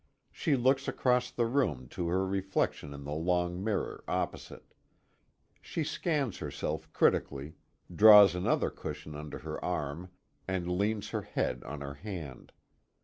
She looks across the room to her reflection in the long mirror opposite. She scans herself critically, draws another cushion under her arm, and leans her head on her hand.